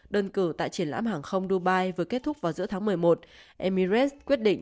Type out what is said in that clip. đơn cử tại triển lãm hàng không dubai vừa kết thúc vào giữa tháng một mươi một emirat quyết định